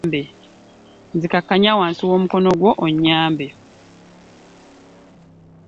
Nzikakanna wanzi w'omukono gwo onyambe .